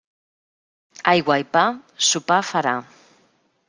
Aigua i pa, sopa farà.